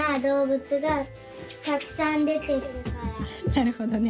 なるほどね。